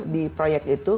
di proyek itu